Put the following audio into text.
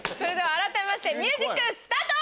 改めましてミュージックスタート！